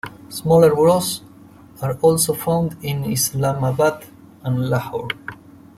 Smaller bureaus are also found in Islamabad and Lahore.